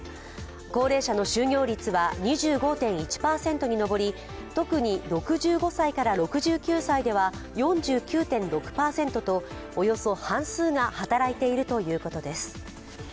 高齢者の就業率は２５．１％に上り特に６５歳から６９歳では４９．６％とおよそ半数が働いているということです。